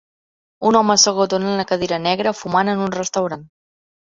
Un home assegut en una cadira negra fumant en un restaurant.